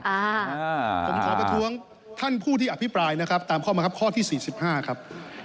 ผมขอประท้วงท่านผู้ที่อภิปรายนะครับตามข้อมาครับข้อที่๔๕ครับ